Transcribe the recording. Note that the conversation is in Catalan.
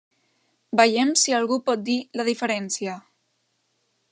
Veiem si algú pot dir la diferència!